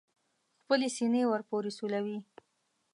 خپلې سینې ور پورې سولوي.